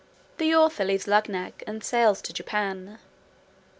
The author leaves Luggnagg, and sails to Japan.